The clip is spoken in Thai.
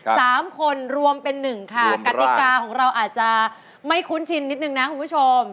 สามคนรวมเป็นหนึ่งค่ะกติกาของเราอาจจะไม่คุ้นชินนิดนึงนะคุณผู้ชม